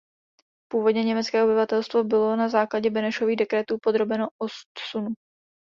Původní německé obyvatelstvo bylo na základě Benešových dekretů podrobeno odsunu.